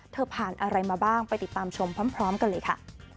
ผ่านอะไรมาบ้างไปติดตามชมพร้อมกันเลยค่ะ